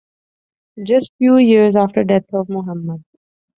Just few years after death of Muhammad.